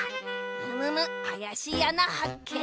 あやしいあなはっけん！